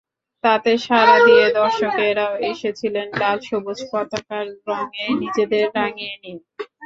তাতে সাড়া দিয়ে দর্শকেরাও এসেছিলেন লাল-সবুজ পতাকার রঙে নিজেদের রাঙিয়ে নিয়ে।